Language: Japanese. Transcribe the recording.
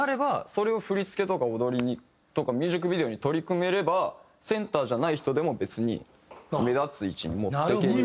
それを振付とか踊りとかミュージックビデオに取り込めればセンターじゃない人でも別に目立つ位置に持っていける。